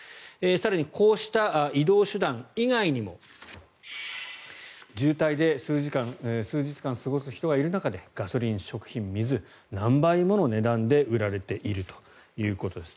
更に、こうした移動手段以外にも渋滞で数日間過ごす人がいる中でガソリン、食品、水何倍もの値段で売られているということです。